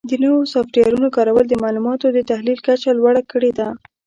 د نوو سافټویرونو کارول د معلوماتو د تحلیل کچه لوړه کړې ده.